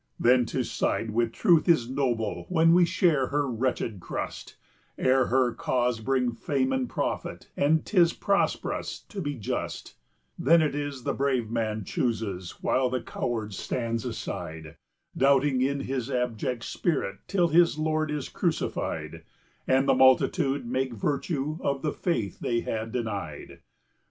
50 Then to side with Truth is noble when we share her wretched crust, Ere her cause bring fame and profit, and 'tis prosperous to be just; Then it is the brave man chooses, while the coward stands aside, Doubting in his abject spirit, till his Lord is crucified, And the multitude make virtue of the faith they had denied.